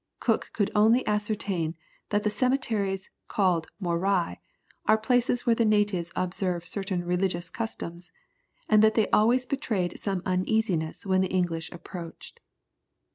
Cook could only ascertain that the cemeteries called Morai, are places where the natives observe certain religious customs, and that they always betrayed some uneasiness when the English approached.